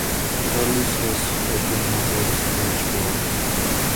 Challis has had a number of stage roles.